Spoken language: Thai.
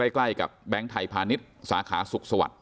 ใกล้กับแบงค์ไทยพาณิชย์สาขาสุขสวัสดิ